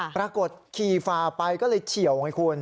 ปรากฏขี่ฝ่าไปก็เลยเฉียวไงคุณ